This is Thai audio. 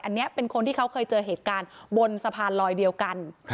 อันนี้เป็นคนที่เขาเคยเจอเหตุการณ์บนสะพานลอยเดียวกัน